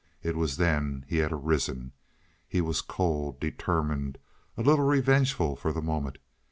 It was then he had arisen. He was cold, determined, a little revengeful for the moment.